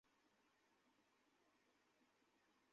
যেখানে সত্য ও মিথ্যা নামের দুইজন যোদ্ধা যুদ্ধ করছে।